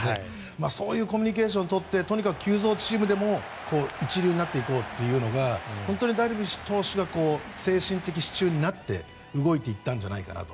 そういうコミュニケーション取ってとにかく急造チームでも一流になっていこうというのが本当にダルビッシュ投手が精神的支柱になって動いていったんじゃないかなと。